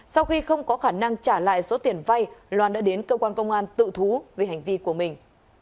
sau khi không có khả năng trả lại số tiền vay loan đã đến cơ quan công an tự thú về hành vi của mình